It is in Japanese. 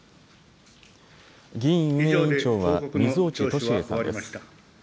議院運営委員長は水落敏栄さんです。